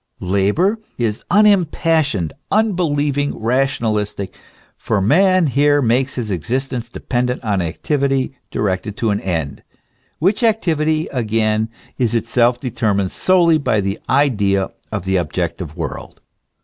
Labour is unim passioned, unbelieving, rationalistic ; for man here makes his existence dependent on activity directed to an end, which acti vity again is itself determined solely by the idea of the objective world.